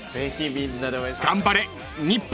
［頑張れ日本！］